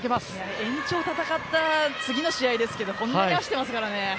延長戦った次の試合ですけど本当に走ってますからね。